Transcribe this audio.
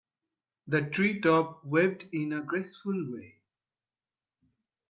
The tree top waved in a graceful way.